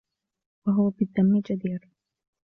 وَهُوَ بِالذَّمِّ جَدِيرٌ